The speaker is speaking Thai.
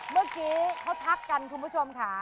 เมื่อกี้เขาทักกันคุณผู้ชมค่ะ